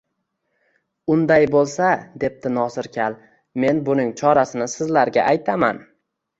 Unday bo‘lsa, debdi Nosir kal, men buning chorasini sizlarga aytaman